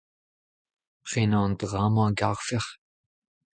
Prenañ an dra-mañ a garfec'h ?